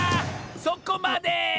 そこまで！